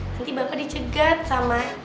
nanti bapak dicegat sama